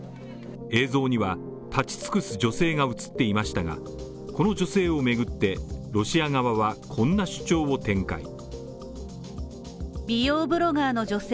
映像には、立ち尽くす女性が映っていましたが、この女性を巡って、ロシア側はこんな主張を展開。